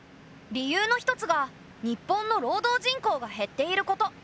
理由の一つが日本の労働人口が減っていること。